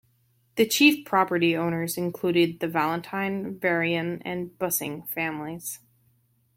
Chief property owners included the Valentine, Varian, and Bussing families.